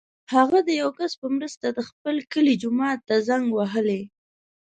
هغه د یو کس په مرسته د خپل کلي جومات ته زنګ وهلی.